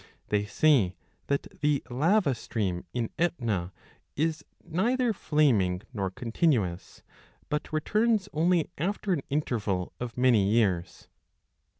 They say that the lava stream in Etna is neither flaming nor continuous, but returns only after an interval of many years.